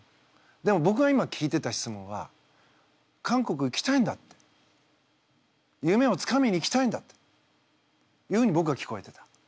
でもぼくが今聞いてた質問は韓国行きたいんだって夢をつかみにいきたいんだっていうふうにぼくは聞こえてた。